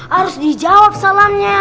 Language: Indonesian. harus dijawab salamnya